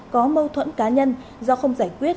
có mâu thuẫn cá nhân do không giải quyết